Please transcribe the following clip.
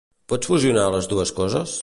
Pots fusionar les dues coses?